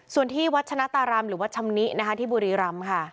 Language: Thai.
ส่วนที่วัชนะตารามหรือวัดชำนินะคะที่บุรีรำค่ะ